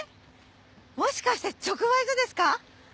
もしかして直売所ですか？